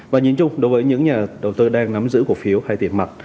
và nhìn chung đối với những nhà đầu tư đang nắm giữ cổ phiếu hay tiền mặt